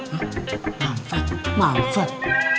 hah manfaat manfaat